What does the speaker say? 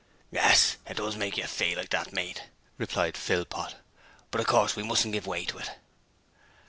'Yes; it does make yer feel like that, mate,' replied Philpot, 'but of course we mustn't give way to it.'